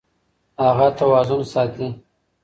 هغه توازن ساتي.